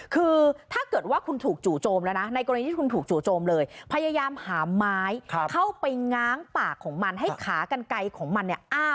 คือถ้าเกิดว่าคุณถูกจู่โจมแล้วนะในกรณีที่คุณถูกจู่โจมเลยพยายามหาไม้เข้าไปง้างปากของมันให้ขากันไกลของมันเนี่ยอ้า